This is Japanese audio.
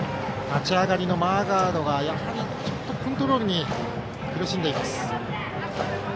立ち上がりのマーガードはやはりちょっとコントロールに苦しんでいます。